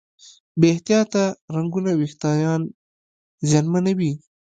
بې احتیاطه رنګونه وېښتيان زیانمنوي.